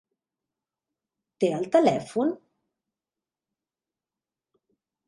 Té el telèfon?